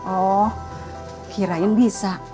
oh kirain bisa